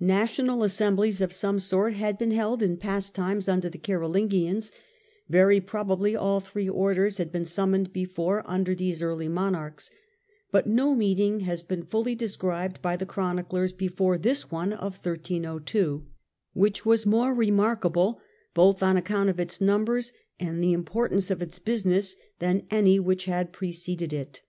National assemblies of some sort had been held in past times under the Carolingians, very probably all three orders had been summoned before under these early Monarchs, but no meeting has been fully described by the chroniclers before this one of 1302, which was more remarkable, both on account of its numbers and the importance of its business, than any which had preceded it.